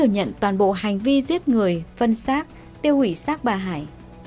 nhận toàn bộ hành vi giết người phân xác tiêu hủy sát bà hải